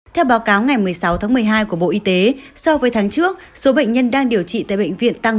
theo báo cáo ngày một mươi sáu tháng một mươi hai của bộ y tế so với tháng trước số bệnh nhân đang điều trị tại bệnh viện tăng một trăm năm mươi ba